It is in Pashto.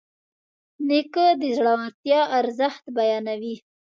نیکه د زړورتیا ارزښت بیانوي.